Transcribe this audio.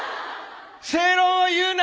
正論を言うな！